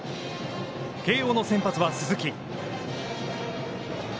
慶応の先発は鈴木。